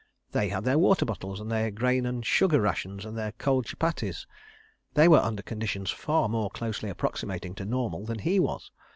They had their water bottles and their grain and sugar ration and their cold chupattis. They were under conditions far more closely approximating to normal than he was.